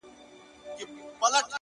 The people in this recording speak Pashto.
ستا خو صرف خندا غواړم چي تا غواړم’